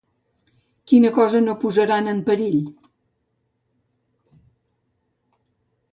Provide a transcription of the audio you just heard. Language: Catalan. Quina cosa no posaran en perill?